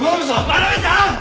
真鍋さん！